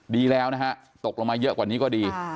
ดีแล้วนะฮะตกลงมาเยอะกว่านี้ก็ดี